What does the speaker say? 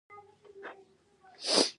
دوی ټاکلو اهدافو ته د رسیدو لپاره کار کوي.